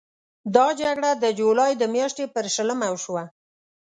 دا جګړه د جولای د میاشتې پر شلمه وشوه.